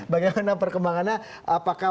bagaimana perkembangannya apakah